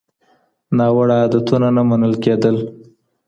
ناوړه عادتونه نه منل کېږي.